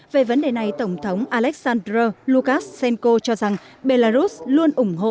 về vấn đề này tổng thống alexander lukashenko cho rằng belarus luôn ủng hộ